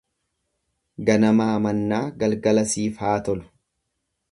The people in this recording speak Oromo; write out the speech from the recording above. Ganamaa mannaa galgala siif haa tolu.